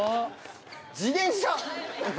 自転車！